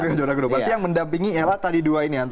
berarti yang mendampingi ialah tadi dua ini